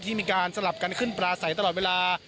มีการสลับกันขึ้นปลาใสตลอดเวลา